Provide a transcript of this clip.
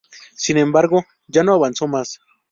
Sin embargo, ya no avanzó más.